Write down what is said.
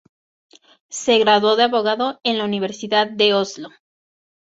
Se graduó de abogado en la Universidad de Oslo.